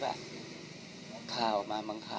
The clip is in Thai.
ไว้มามันข่าวไม่เข้าใจ